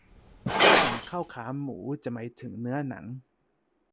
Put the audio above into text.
สั่งข้าวขาหมูจะหมายถึงเนื้อหนัง